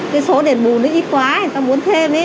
cái số đền bù nó ít quá người ta muốn thêm ấy